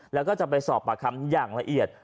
แล้วก็จะไปสอบปากคำอย่างละเอียด